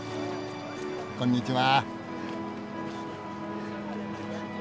こんにちは。